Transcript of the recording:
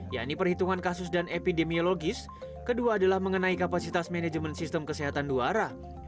yakni perhitungan kasus dan epidemiologis kedua adalah mengenai kapasitas manajemen sistem kesehatan dua arah